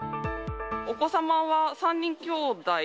お子様は３人きょうだい？